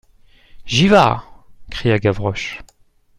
J'y vas, cria Gavroche.